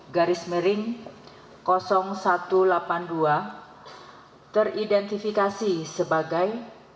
dan dua teridentifikasi sebagai